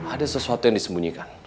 ada sesuatu yang disembunyikan